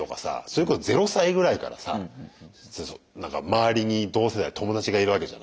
それこそ０歳ぐらいからさ何か周りに同世代友達がいるわけじゃない。